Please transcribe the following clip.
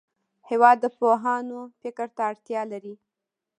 هېواد د پوهانو فکر ته اړتیا لري.